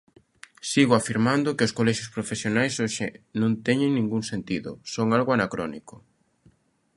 Sigo afirmando que os colexios profesionais hoxe non teñen ningún sentido, son algo anacrónico.